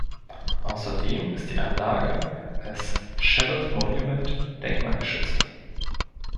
Außerdem ist die Anlage als Scheduled Monument denkmalgeschützt.